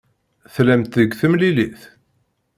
Tellamt deg temlilit?